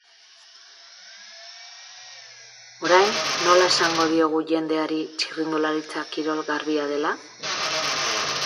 Orain, nola esango diogu jendeari txirrindularitza kirol garbia dela?